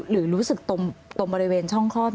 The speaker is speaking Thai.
หรือรู้สึกตรงบริเวณช่องคลอด